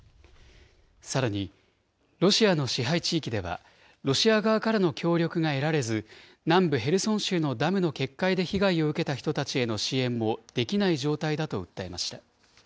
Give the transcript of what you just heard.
さらに、ロシアの支配地域では、ロシア側からの協力が得られず、南部ヘルソン州のダムの決壊で被害を受けた人たちへの支援もできない状態だと訴えました。